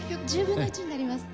１０分の１になります。